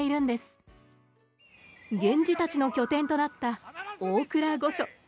源氏たちの拠点となった大倉御所。